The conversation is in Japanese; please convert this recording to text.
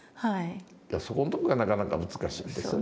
そこのところがなかなか難しいですね。